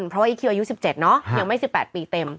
เพราะว่าอีคิวอายุ๑๗เนอะยังไม่๑๘ปีเต็ม